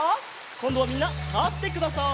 こんどはみんなたってください。